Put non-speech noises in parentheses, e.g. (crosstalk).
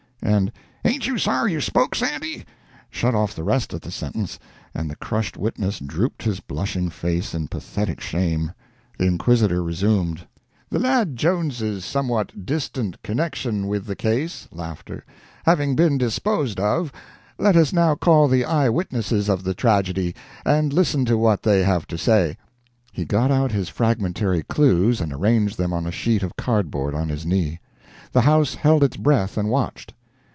and "Ain't you sorry you spoke, Sandy?" shut off the rest of the sentence, and the crushed witness drooped his blushing face in pathetic shame. The inquisitor resumed: "The lad Jones's somewhat distant connection with the case" (laughs) "having been disposed of, let us now call the eye witnesses of the tragedy, and listen to what they have to say." He got out his fragmentary clues and arranged them on a sheet of cardboard on his knee. The house held its breath and watched.